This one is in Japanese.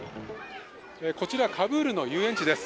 こちら、カブールの遊園地です。